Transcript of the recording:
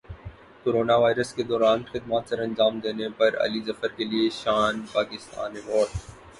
corona virus کے دوران خدمات سرانجام دینے پر علی ظفر کیلئے شان پاکستان ایوارڈ